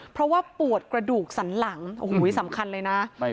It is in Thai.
เพราะว่าปวดกระดูกสันหลังโอ้โหสำคัญเลยนะ